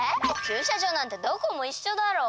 駐車場なんてどこもいっしょだろ。